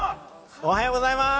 おはようございます！